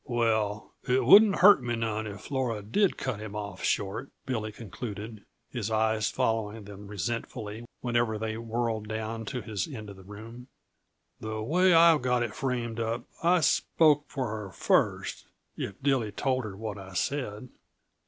"Well, it wouldn't hurt me none if Flora did cut him off short," Billy concluded, his eyes following them resentfully whenever they whirled down to his end of the room. "The way I've got it framed up, I'd spoke for her first if Dilly told her what I said."